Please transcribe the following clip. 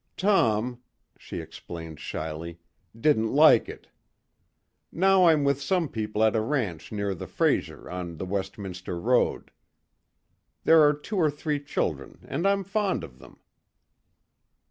Tom" she explained shyly "didn't like it. Now I'm with some people at a ranch near the Fraser on the Westminster road. There are two or three children and I'm fond of them."